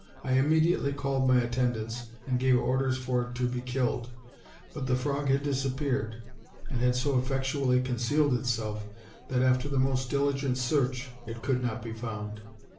I immediately called my attend ants and gave orders for it to be killed; but the frog had disappeared, and had so effectually concealed itself that after the most diligent search it could not be found.